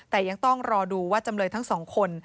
แต่ยังต้องรอดูว่าจำเลยทั้งสองคน